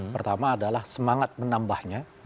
pertama adalah semangat menambahnya